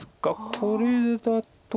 これだと。